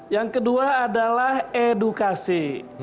yang kedua adalah edukasi